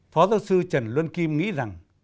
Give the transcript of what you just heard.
phó giáo sư trần luân kim nghĩ rằng